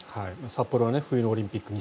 札幌は冬のオリンピック